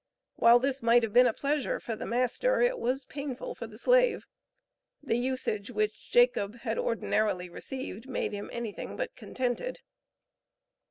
While this might have been a pleasure for the master, it was painful for the slave. The usage which Jacob had ordinarily received made him anything but contented.